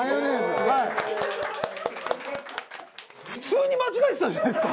普通に間違えてたじゃないですか。